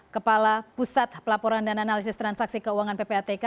kepala pusat pelaporan dan analisis transaksi keuangan ppatk